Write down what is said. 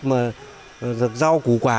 mà rau củ quả